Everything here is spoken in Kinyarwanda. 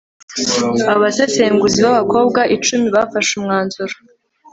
abasesenguzi b abakobwa icumi bafashe umwanzuro